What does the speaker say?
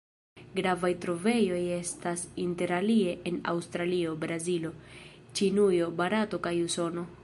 Gravaj trovejoj estas inter alie en Aŭstralio, Brazilo, Ĉinujo, Barato kaj Usono.